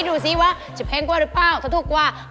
ดูสิว่าจะแพงกว่าหรือเปล่าถ้าถูกกว่า